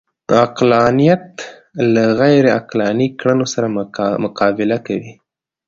عقلانیت له غیرعقلاني کړنو سره مقابله کوي